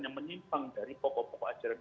yang menyimpang dari pokok pokok ajaran